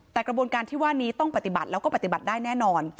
แต่กระบวนการที่ว่านี้ต้องปฏิบัติแล้วก็ปฏิบัติได้แน่นอน